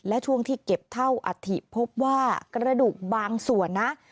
และช่วงที่เก็บเท่าอัฐิพบว่ากระดูกบางส่วนนะ